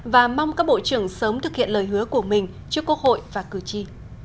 và mong các bộ trưởng sớm thực hiện lời hứa của mình trước quốc hội và cử tri